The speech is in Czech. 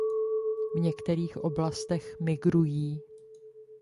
V některých oblastech migrují.